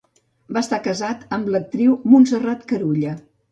Va estar casat amb l'actriu Montserrat Carulla.